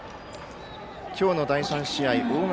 今日の第３試合大垣